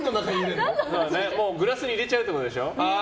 グラスに入れちゃうってことでしょ。